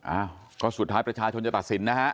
อ้าวก็สุดท้ายประชาชนจะตัดสินนะฮะ